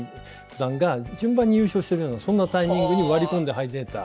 段が順番に優勝してるようなそんなタイミングに割り込んで入れた。